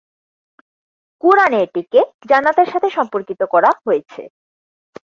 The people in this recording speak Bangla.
কুরআনে এটিকে জান্নাতের সাথে সম্পর্কিত করা হয়েছে।